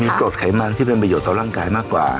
กรดไขมันที่เป็นประโยชน์ต่อร่างกายมากกว่า